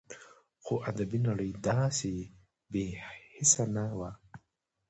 خو ادبي نړۍ داسې بې حسه نه وه